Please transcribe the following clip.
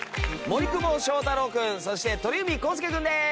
森久保祥太郎君そして鳥海浩輔君です。